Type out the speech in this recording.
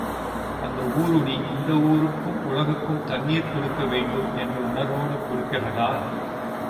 அந்த ஊருணி இந்த ஊருக்கும் உலகுக்கும் தண்ணீர் கொடுக்க வேண்டும் என்ற உணர்வோடு கொடுக்கிறதா?